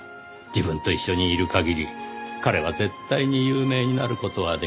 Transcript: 自分と一緒にいる限り彼は絶対に有名になる事は出来ない。